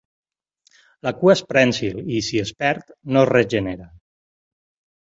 La cua és prènsil i, si es perd, no es regenera.